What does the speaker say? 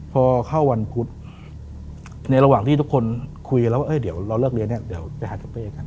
พอเข้าวันพุธในระหว่างที่ทุกคนคุยกันแล้วว่าเดี๋ยวเราเลิกเรียนเนี่ยเดี๋ยวไปหาทูเป้กัน